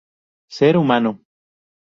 Ser humano!!